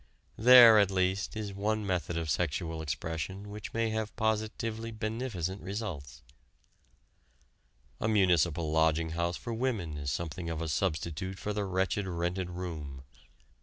There, at least, is one method of sexual expression which may have positively beneficent results. A municipal lodging house for women is something of a substitute for the wretched rented room.